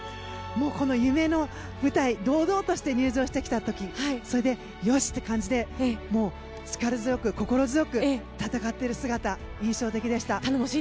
この夢の舞台、堂々として入場してきた時それでよしという感じで力強く心強く戦っている姿、印象的でした。